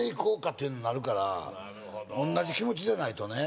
っていうのなるから同じ気持ちでないとね